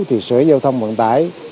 thì xe giao thông vận tải